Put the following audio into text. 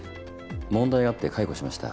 問題があって解雇しました。